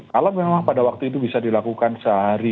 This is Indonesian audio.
kalau memang pada waktu itu bisa dilakukan sehari